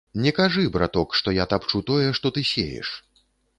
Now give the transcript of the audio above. Не кажы, браток, што я тапчу тое, што ты сееш.